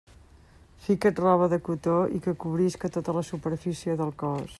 Fica't roba de cotó i que cobrisca tota la superfície del cos.